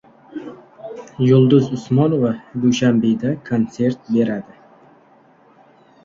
Yulduz Usmonova Dushanbeda konsert beradi